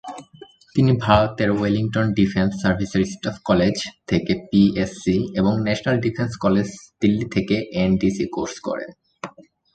তিনি ভারতের ওয়েলিংটনের ডিফেন্স সার্ভিসেস স্টাফ কলেজ থেকে পিএসসি এবং ন্যাশনাল ডিফেন্স কলেজ দিল্লী থেকে এনডিসি কোর্স করেন।